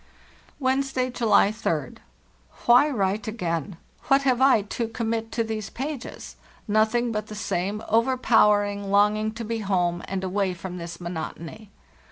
"Wednesday, July 3d. Why write again? What BY SLEDGE AND KAYAK 305 have I to commit to these pages? Nothing but the same overpowering longing to be home and away from this monotony.